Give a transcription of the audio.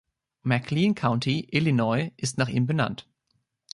McLean County, Illinois, ist nach ihm benannt.